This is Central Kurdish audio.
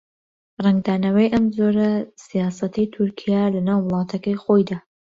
ڕەنگدانەوەی ئەم جۆرە سیاسەتەی تورکیا لەناو وڵاتەکەی خۆیدا